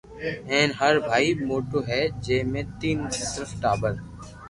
ھين ھر ڀاتي موٽو ھي جي ۾ تين صرف ٽاٻر